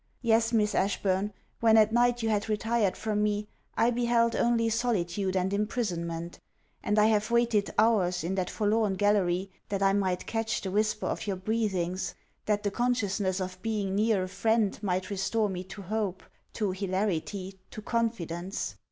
Yes, Miss Ashburn, when at night you had retired from me, I beheld only solitude and imprisonment; and I have waited hours in that forlorn gallery, that I might catch the whisper of your breathings, that the consciousness of being near a friend might restore me to hope, to hilarity, to confidence.